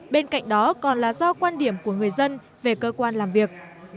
bên cạnh đó còn là do quan điểm của người dân về cơ quan làm việc